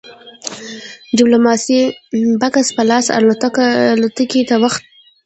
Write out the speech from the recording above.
ديپلومات بکس په لاس الوتکې ته وخوت.